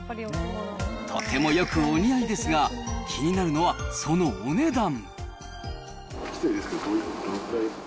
とてもよくお似合いですが、気になるのはそのお値段。